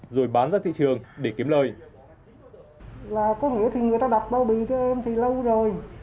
rồi bán ra thị trường để kiếm lời